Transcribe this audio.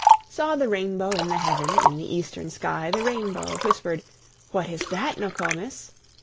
Saw the rainbow in the heaven, In the eastern sky, the rainbow, Whispered, "What is that, Nokomis?"